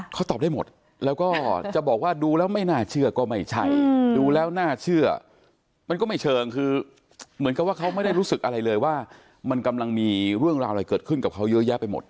เขาตอบได้หมดแล้วก็จะบอกว่าดูแล้วไม่น่าเชื่อก็ไม่ใช่ดูแล้วน่าเชื่อมันก็ไม่เชิงคือเหมือนกับว่าเขาไม่ได้รู้สึกอะไรเลยว่ามันกำลังมีเรื่องราวอะไรเกิดขึ้นกับเขาเยอะแยะไปหมด